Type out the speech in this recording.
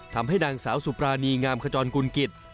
ทำให้นางสาวสุปรานีงามขจรกุลกิจ